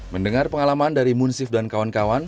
mendengar pengalaman dari munsif dan kawan kawan